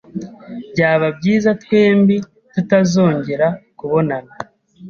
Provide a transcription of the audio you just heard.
Byaba byiza twembi tutazongera kubonana.